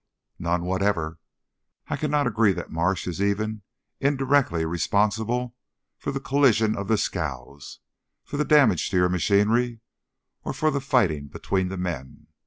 "None whatever. I cannot agree that Marsh is even indirectly responsible for the collision of the scows, for the damage to your machinery, or for the fighting between the men.